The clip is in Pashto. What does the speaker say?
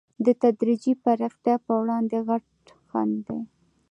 د تدریجي پراختیا پر وړاندې غټ خنډ دی.